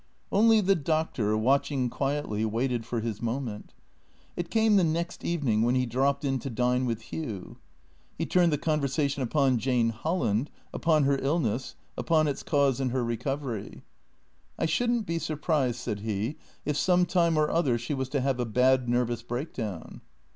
Only the Doctor, watching quietly, waited for his moment. It came the next evening when he dropped in to dine with Hugh. He turned the conversation upon Jane Holland, upon her illness, upon its cause and her recovery. " I should n't be surprised," said he, " if some time or other she was to have a bad nervous break down."